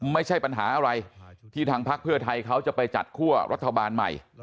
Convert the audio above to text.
ไม่ใช่ปัญหาอะไรที่ทางพักเพื่อไทยเขาจะไปจัดคั่วรัฐบาลใหม่